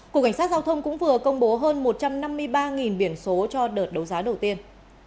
cục cảnh sát giao thông cũng vừa công bố hơn một trăm năm mươi ba biển số cho đợt đấu giá đầu tiên